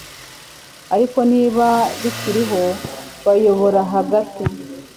ariko niba bikiriho bayobora hagati